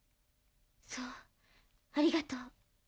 そうありがとう。